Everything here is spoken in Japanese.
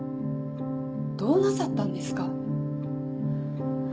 どうなさったんですか？